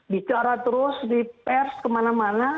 bicara terus di pers kemana mana